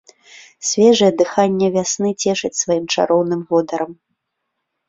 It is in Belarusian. Свежае дыханне вясны цешыць сваім чароўным водарам.